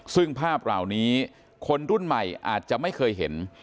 ซึ่งภาพเหล่านี้คนรุ่นใหม่อาจจะไม่เคยเห็น